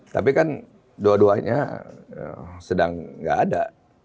tapi kan dua duanya sedang nggak ada